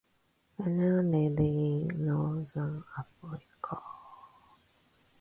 Benin is in northern Africa.